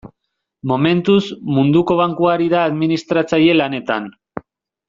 Momentuz, Munduko Bankua ari da administratzaile lanetan.